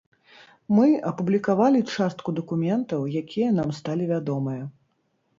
Мы апублікавалі частку дакументаў, якія нам сталі вядомыя.